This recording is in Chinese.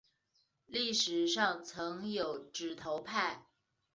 历史上曾有指头派。